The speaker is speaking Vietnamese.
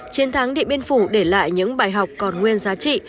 chiến thắng điện biên phủ để lại những bài học còn nguyên giá trị